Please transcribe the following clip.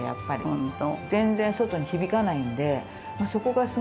ホント。